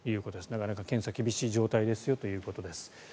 なかなか検査が厳しい状態ですということです。